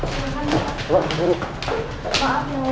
tapi sepertinya belum maksimal